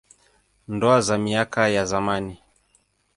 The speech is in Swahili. Ndoa za miaka ya zamani.